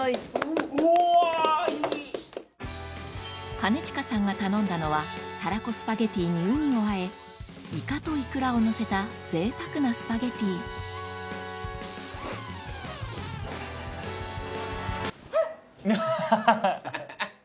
兼近さんが頼んだのはタラコスパゲティにウニを和えイカとイクラをのせたぜいたくなスパゲティハッ！